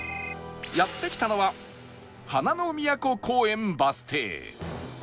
やって来たのは花の都公園バス停